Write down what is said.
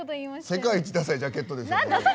世界一ダサいジャケットですよね。